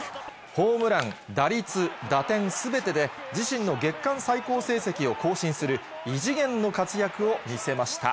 ホームラン、打率、打点すべてで自身の月間最高成績を更新する、異次元の活躍を見せました。